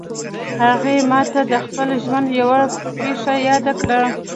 هغې ما ته د خپل ژوند یوه پېښه یاده کړه